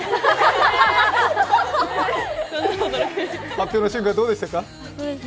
発表の瞬間、どうでしたか？